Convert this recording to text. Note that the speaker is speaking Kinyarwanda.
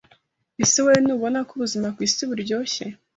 Ese wowe ntubona ko ubuzima ku isi buryoshye